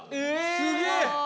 すげえ。